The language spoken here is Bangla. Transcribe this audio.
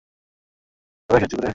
অনেক সাহায্য করে।